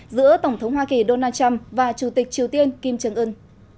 giữa tổng thống hoa kỳ donald trump và chủ tịch triều tiên kim trương ưn